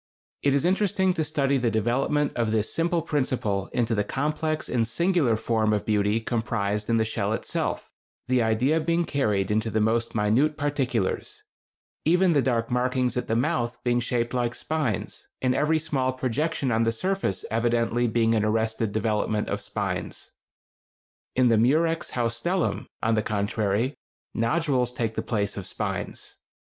It is interesting to study the development of this simple principle into the complex and singular form of beauty comprised in the shell itself, the idea being carried into the most minute particulars—even the dark markings at the mouth being shaped like spines, and every small projection on the surface evidently being an arrested development of spines. In the Murex haustellum, on the contrary, nodules take the place of spines.